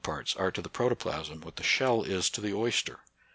parts are to the protoplasm what the shell is to the oyster.